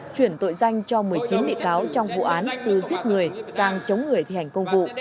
chuyển tội danh cho một mươi chín bị cáo trong vụ án từ giết người sang chống người thi hành công vụ